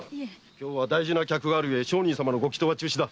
今日は大事な客があるゆえご祈は中止だ。